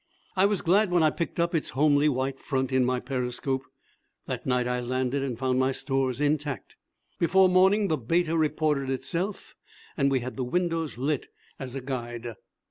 I was glad when I picked up its homely white front in my periscope. That night I landed and found my stores intact. Before morning the Beta reported itself, for we had the windows lit as a guide.